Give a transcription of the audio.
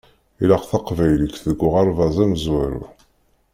Ilaq taqbaylit deg uɣerbaz amezwaru.